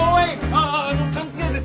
あああの勘違いです。